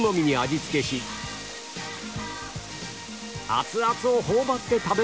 熱々を頬張って食べるのが定番